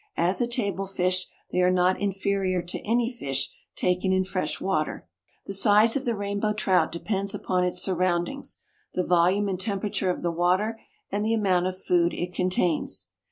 As a table fish they are not inferior to any fish taken in fresh water. The size of the Rainbow Trout depends upon its surroundings, the volume and temperature of the water and the amount of food it contains.